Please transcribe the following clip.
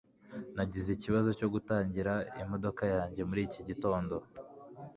Nagize ikibazo cyo gutangira imodoka yanjye muri iki gitondo.